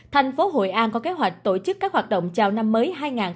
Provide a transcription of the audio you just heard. thành phố hội an có kế hoạch tổ chức các hoạt động chào năm mới hai nghìn hai mươi